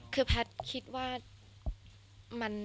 คือแพทย์คิดว่า